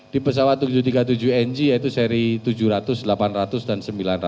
di pesawat tujuh ratus tiga puluh tujuh ng yaitu seri tujuh ratus delapan ratus dan sembilan ratus